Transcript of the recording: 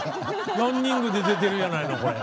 「ランニングで出てるやないのこれ」。